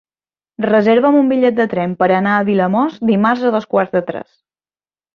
Reserva'm un bitllet de tren per anar a Vilamòs dimarts a dos quarts de tres.